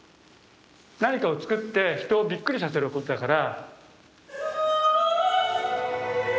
何かを創って人をびっくりさせることだから。